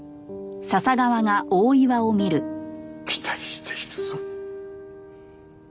期待しているぞ。